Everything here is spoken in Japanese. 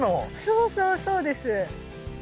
そうそうそうです。